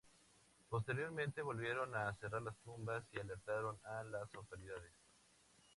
Posteriormente, volvieron a cerrar las tumbas y alertaron a las autoridades.